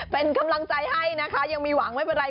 เป็นกำลังใจให้นะคะยังมีหวังไม่เป็นไร